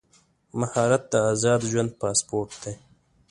مهارت د ازاد ژوند پاسپورټ دی.